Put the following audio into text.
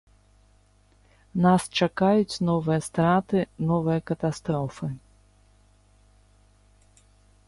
Нас чакаюць новыя страты, новыя катастрофы.